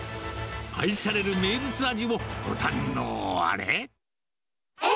愛される名物味をご堪能あれ。